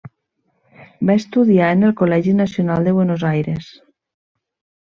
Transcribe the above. Va estudiar en el Col·legi Nacional de Buenos Aires.